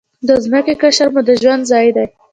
د ځمکې قشر مو د ژوند ځای دی.